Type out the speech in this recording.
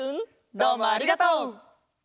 どうもありがとう。